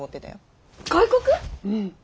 うん。